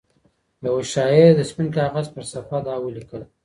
يوه شاعر د سپين كاغذ پر صفحه دا وليـكل